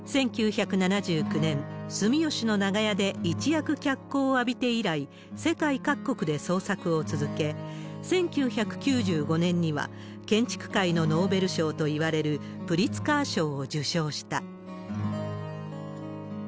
１９７９年、住吉の長屋で一躍脚光を浴びて以来、世界各国で創作を続け、１９９５年には、建築界のノーベル賞といわれるプリツカー賞を受賞した。